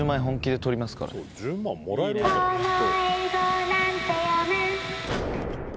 本気で取りますからね」